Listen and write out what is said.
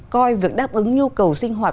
coi việc đáp ứng nhu cầu sinh hoạt